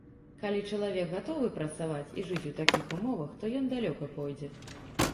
Калі чалавек гатовы працаваць і жыць у такіх умовах, то ён далёка пойдзе.